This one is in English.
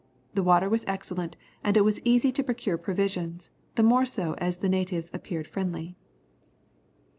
The water was excellent, and it was easy to procure provisions, the more so as the natives appeared friendly.